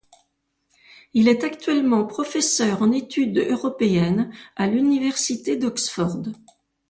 Il est actuellement professeur en études européennes à l'université d'Oxford.